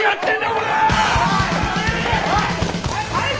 おい！